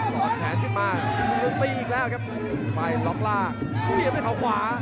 เซียนไปขาวขวา